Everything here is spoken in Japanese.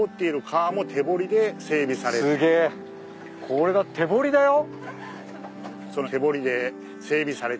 これが手掘りだよ？